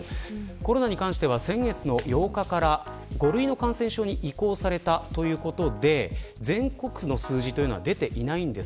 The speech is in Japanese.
コロナに関しては先月の８日から５類の感染症に移行されたということで全国の数字は出ていません。